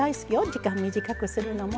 時間短くするのも。